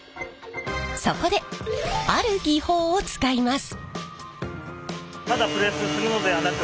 そこである技法を使います。